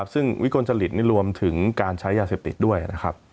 ซึ่งวิกลจริตนี่รวมถึงการใช้ยาเสพติดด้วยนะครับ